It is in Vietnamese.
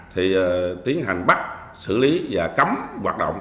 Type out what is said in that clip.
thì tiến hành bắt xử lý và cấm hoạt động